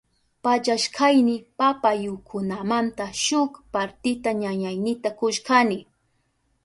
Pallashkayni papayukunamanta shuk partita ñañaynita kushkani.